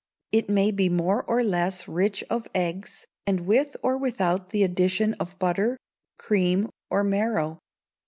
It may be more or less rich of eggs, and with or without the addition of butter, cream, or marrow.